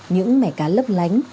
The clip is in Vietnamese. những mẻ cá lấp lánh